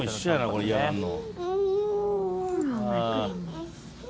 これ嫌がるの。